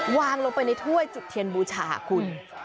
วางลงไปในถ้วยจุดเทียนบูชาคุณ